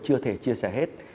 chưa thể chia sẻ hết